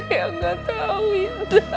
ayang gak tau intan